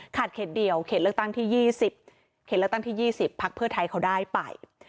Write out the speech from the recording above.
เขตเดียวเขตเลือกตั้งที่๒๐เขตเลือกตั้งที่๒๐พักเพื่อไทยเขาได้ไป